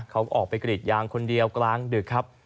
เขาออกไปกรีดยางคนเดียวกลางดึกครับ